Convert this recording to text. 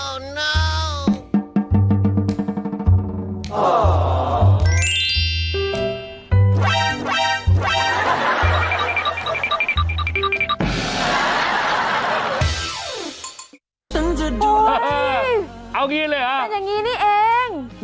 โอ๊ยเป็นอย่างนี้นี่เองเอาอย่างนี้เลยหรอ